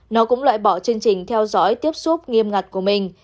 nó cũng loại bỏ chương trình theo dõi tiếp xúc nghiêm ngặt của mình